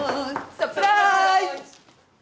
サプラーイズ！